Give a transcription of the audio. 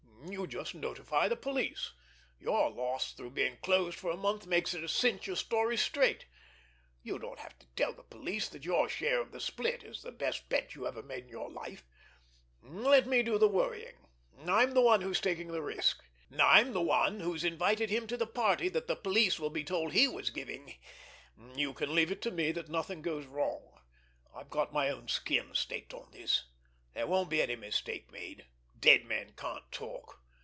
You just notify the police. Your loss through being closed for a month makes it a cinch your story's straight—you don't have to tell the police that your share of the split is the best bet you ever made in your life! Let me do the worrying! I'm the one who's taking the risk. I'm the one who's been showing a seamy side to Merxler in confidence lately. I'm the one who's invited him to the party that the police will be told he was giving. You can leave it to me that nothing goes wrong. I've got my own skin staked on this. There won't be any mistake made—dead men can't talk.